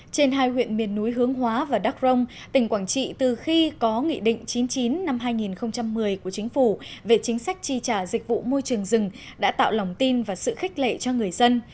trên hai huyện miền núi hướng hóa và đắk rông tỉnh quảng trị từ khi có nghị định chín mươi chín năm hai nghìn một mươi của chính phủ về chính sách tri trả dịch vụ môi trường rừng đã tạo lòng tin và sự khích lệ cho người dân